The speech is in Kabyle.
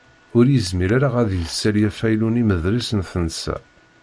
Ur yezmir ara ad d-yessali afaylu n imedlis n tensa.